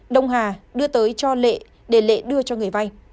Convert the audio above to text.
đông hà đưa tới cho lệ để lệ đưa cho người vay